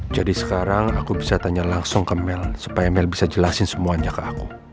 jadi sekarang aku bisa tanya langsung ke mel supaya mel bisa jelasin semuanya ke aku